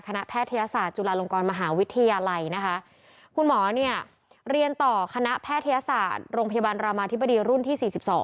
แพทยศาสตร์จุฬาลงกรมหาวิทยาลัยนะคะคุณหมอเนี่ยเรียนต่อคณะแพทยศาสตร์โรงพยาบาลรามาธิบดีรุ่นที่๔๒